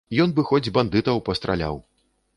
Ён бы хоць бандытаў пастраляў.